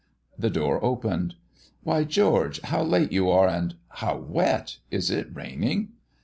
The door opened. "Why, George; how late you are, and how wet! Is it raining?"